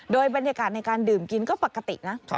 โดยบรรยากาศในการดื่มกินก็ปกตินะ